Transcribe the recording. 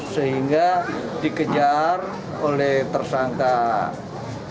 sehingga dikejar oleh tersangka